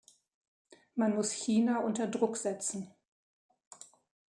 Man muss China unter Druck setzen.